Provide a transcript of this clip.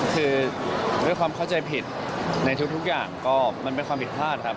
คือด้วยความเข้าใจผิดในทุกอย่างก็มันเป็นความผิดพลาดครับ